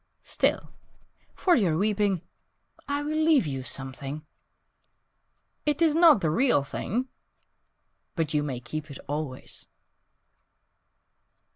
Still, for your weeping, I will leave you something. It is not the real thing But you may keep it always."